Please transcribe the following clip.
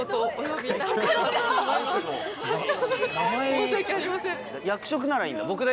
・申し訳ありません。